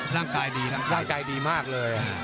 ร่างกายดีมากเลย